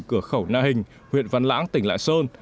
cửa khẩu na hình huyện văn lãng tỉnh lạng sơn